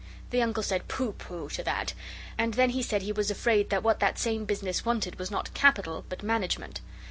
The Uncle said, 'Pooh, pooh!' to that, and then he said he was afraid that what that same business wanted was not capital but management.